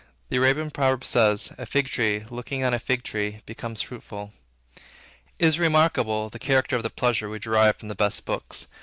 The Arabian proverb says, "A fig tree, looking on a fig tree, becometh fruitful." It is remarkable, the character of the pleasure we derive from the best books.